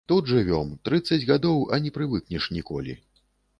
Тут жывём, трыццаць гадоў, а не прывыкнеш, ніколі.